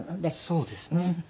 そうですね。